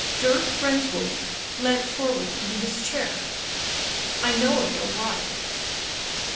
Dirk Benswoude leant forward in his chair. " I know of your wife."